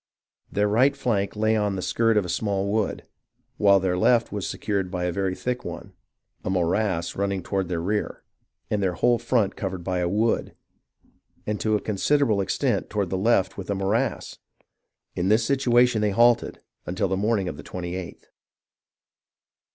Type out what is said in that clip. Their right flank lay on the skirt of a small wood, while their left was secured by a very thick one ; a morass running toward their rear, and their whole front covered by a wood, and to a considerable extent toward the left with a morass. In this situation they halted, until the morning of the 28th.